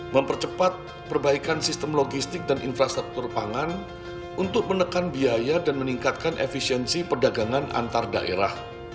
mempercepat perbaikan sistem logistik dan infrastruktur pangan untuk menekan biaya dan meningkatkan efisiensi perdagangan antar daerah